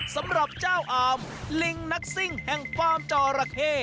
สำหรับเจ้าอามลิงนักซิ่งแห่งฟาร์มจอระเข้